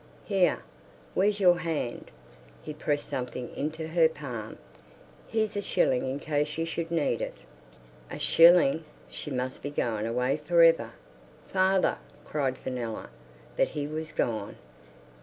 Here! Where's your hand?" He pressed something into her palm. "Here's a shilling in case you should need it." A shilling! She must be going away for ever! "Father!" cried Fenella. But he was gone.